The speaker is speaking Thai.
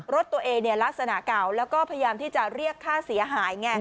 รถตัวเองลักษณะเก่าแล้วก็พยายามที่จะเรียกค่าเสียหายไง